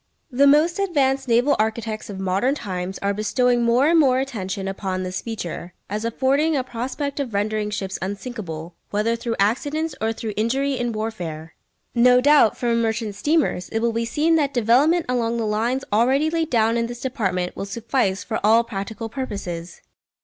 The most advanced naval architects of modern times are bestowing more and more attention upon this feature, as affording a prospect of rendering ships unsinkable, whether through accidents or through injury in warfare. No doubt, for merchant steamers, it will be seen that development along the lines already laid down in this department will suffice for all practical purposes.